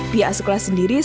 pia sekolah sendiri sempat